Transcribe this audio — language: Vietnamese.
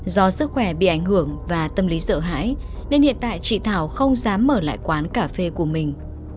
do sức khỏe bị ảnh hưởng và tâm lý sợ hãi nên hiện tại chị thảo không dám mở lại quán cà phê của mình